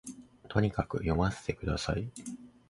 とにかく読ませて下さい